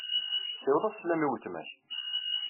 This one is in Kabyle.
Ssiweḍ-as sslam i weltma-k.